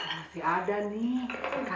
masih ada nih